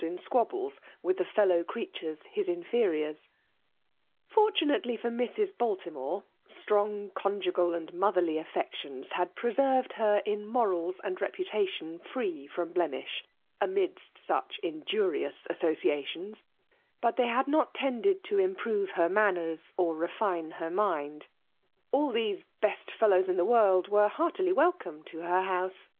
in squabbles with tlie feBpf .creatvffea \iis inferiors. Fortunately fcr Ibsi^^altimote, strong conjugal and motherly aSQ(;tioBa\uid pteaerved her in moralB and re potatiou tree from blemish^ amidst such iojuri* o|is associations ; bat they had not tended to iifr^TOve lier manners or refine her mind« All th^ beat (eUows in the world were heartily welcome to her house.